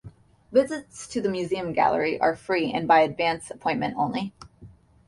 Visits to the museum gallery are free and by advance appointment only.